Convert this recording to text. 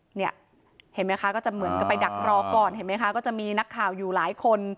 เห็นไหมคะก็จะเหมือนกับไปดักรอก่อนเห็นไหมคะก็จะมีนักข่าวอยู่หลายคน